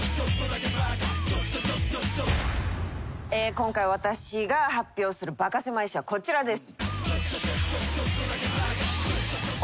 今回私が発表するバカせまい史はこちらです。